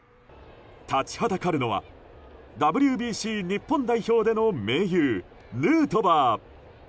立ちはだかるのはＷＢＣ日本代表での盟友ヌートバー。